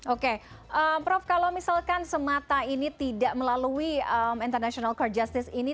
oke prof kalau misalkan semata ini tidak melalui international core justice ini